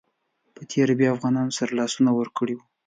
په تېره بیا افغانانو سره لاسونه ورکړي.